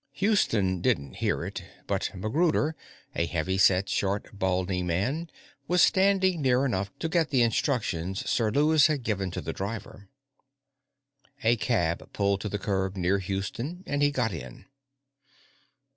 Houston didn't hear it, but MacGruder, a heavy set, short, balding man, was standing near enough to get the instructions Sir Lewis had given to the driver. A cab pulled up to the curb near Houston, and he got in.